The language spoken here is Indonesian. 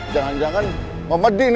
jangan jangan mau mandi nih